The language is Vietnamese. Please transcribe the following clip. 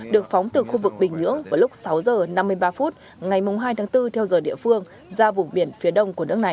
được phóng từ khu vực bình nhưỡng vào lúc sáu h năm mươi ba phút ngày hai tháng bốn theo giờ địa phương ra vùng biển phía đông của nước này